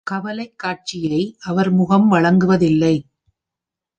கவலைக் காட்சியை அவர் முகம் வழங்குவதில்லை.